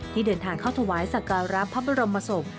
ที่เดินทางเข้าทวายสักการรับพบลมมาสก